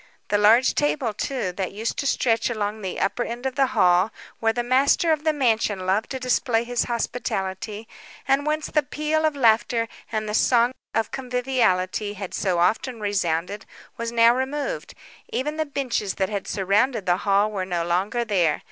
The large table, too, that used to stretch along the upper end of the hall, where the master of the mansion loved to display his hospitality, and whence the peal of laughter, and the song of conviviality had so often resounded, was now removed; even the benches that had surrounded the hall were no longer there.